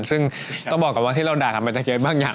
ซึ่งต้องบอกก่อนว่าที่เราด่ากันไปตะเย้บางอย่าง